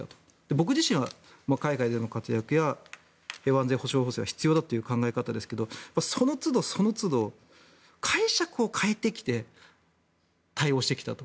僕自身は海外での活躍や平和安全保障法制はそのつど、そのつど解釈を変えてきて対応してきたと。